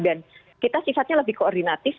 dan kita sifatnya lebih koordinatif